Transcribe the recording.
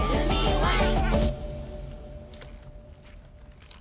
ワン！